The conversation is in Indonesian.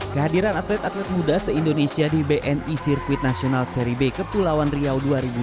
kehadiran atlet atlet muda se indonesia di bni sirkuit nasional seri b kepulauan riau dua ribu dua puluh